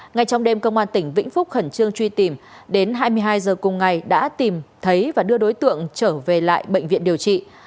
ngay trong đêm công an tỉnh vĩnh phúc khẩn trương truy tìm đến hai mươi hai h cùng ngày đã tìm thấy và đưa đối tượng trở về lại bệnh viện điều trị